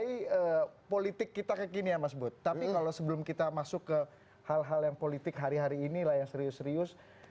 tapi politik kita kekinian mas bud tapi kalau sebelum kita masuk ke hal hal yang politik hari hari ini lah yang serius serius